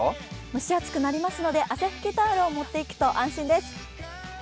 蒸し暑くなりますので汗拭きタオルを持っていくと安心です。